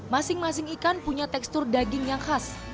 masing masing ikan punya tekstur daging yang khas